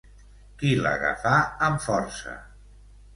Qui l'agafà amb força?